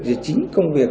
trên chính công việc